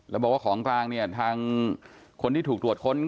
แล้วบอกว่าของกลางเนี่ยทางคนที่ถูกตรวจค้น